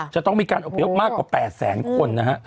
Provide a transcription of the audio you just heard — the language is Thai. จะต้องมีการอบพยพมากกว่า๘แสนคนนะฮะ